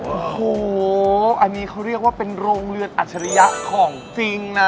โอ้โหอันนี้เขาเรียกว่าเป็นโรงเรือนอัจฉริยะของจริงนะ